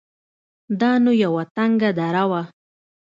دا نو يوه تنگه دره وه.